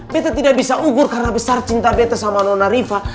betta tidak bisa ukur karena besar cinta betta sama nona riva